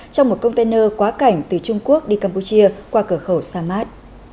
trong một container quá cảnh từ trung quốc đi campuchia qua cửa khẩu samad